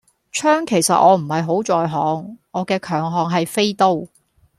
槍其實我唔係好在行，我嘅強項係飛刀